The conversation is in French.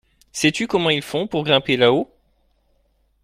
Sais-tu comment ils font pour grimper là-haut?